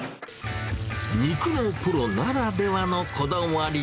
肉のプロならではのこだわり。